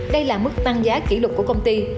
đây là mức tăng giá kỷ lục của công ty